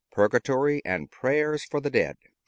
PURGATORY AND PRAYERS FOR THE DEAD.